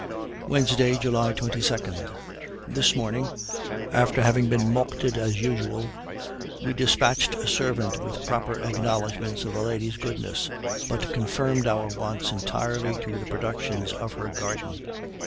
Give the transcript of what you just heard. Wednesday, July 22. This morning, after having been mulcted as usual, we dispatched a servant with proper acknowledgments of the lady's goodness; but confined our wants entirely to the productions of her garden.